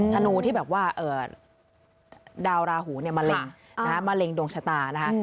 ธนูที่แบบว่าดาวราหูเนี่ยมะเร็งมะเร็งดวงชะตานะคะ